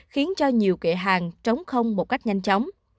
khiến cho nhiều kệ hàng trống không một cách nhanh chóng